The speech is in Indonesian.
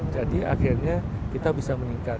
jadi akhirnya kita bisa meningkat